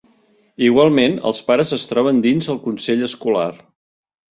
Igualment, els pares es troben dins el Consell escolar.